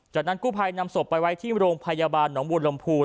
จากนั้นกู้ภัยนำศพไปไว้ที่โรงพยาบาลหนองบูรลำพูน